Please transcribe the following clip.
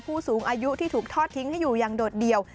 ผู้สูงอายุที่ถูกทอดทิ้งให้อยู่อย่างโดดเดี่ยว